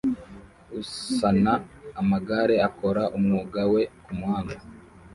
Usana amagare akora umwuga we kumuhanda